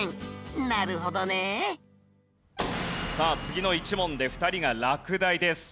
なるほどねさあ次の１問で２人が落第です。